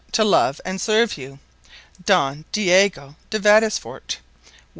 to love and serve you, 1651. _Don Diego de Vadesforte.